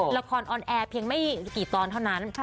ละครออนแอร์เพียงไม่กี่ตอนเท่านั้น